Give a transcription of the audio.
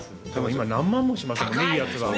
何万もしますもんね、いいやつは。